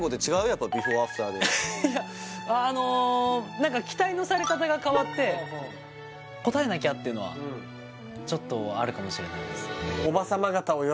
やっぱビフォアアフターであのなんか期待のされ方が変わって応えなきゃっていうのはちょっとあるかもしれないです